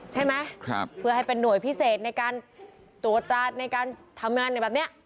ใช่ไหมเพื่อให้เป็นหน่วยพิเศษในการตรวจตราดในการทำงานแบบนี้